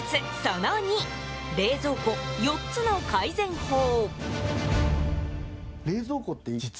その２冷蔵庫、４つの改善法。